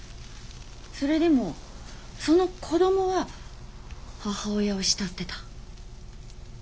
それでもその子供は母親を慕ってた。